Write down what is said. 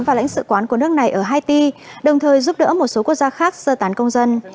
và lãnh sự quán của nước này ở haiti đồng thời giúp đỡ một số quốc gia khác sơ tán công dân